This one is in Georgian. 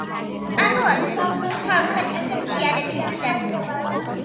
წარმოადგენს სომხეთის მთიანეთის ნაწილს.